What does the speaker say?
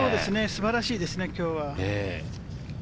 素晴らしいですね、今日は。